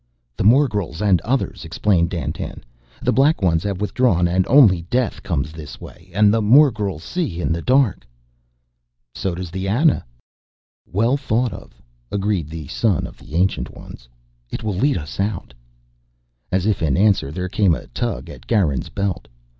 "The morgels and others," explained Dandtan. "The Black Ones have withdrawn and only death comes this way. And the morgels see in the dark...." "So does the Ana." "Well thought of," agreed the son of the Ancient Ones. "It will lead us out." As if in answer, there came a tug at Garin's belt.